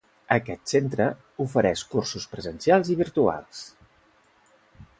Aquest centre ofereix cursos presencials i virtuals.